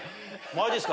マジっすか？